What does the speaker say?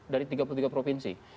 dari tiga puluh tiga provinsi